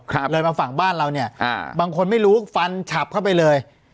เลยมาฝั่งบ้านเราเนี่ยอ่าบางคนไม่รู้ฟันฉับเข้าไปเลย